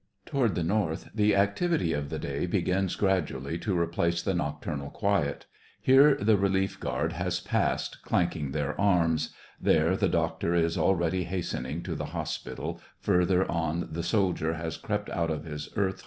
Toward the north the activity of the day begins gradually to replace the nocturnal quiet ; here the relief guard has passed clanking their arms, there the doctor is already hastening to the hospital, further on the soldier has crept out of his earth 5 6 SEVASTOPOL IN DECEMBER.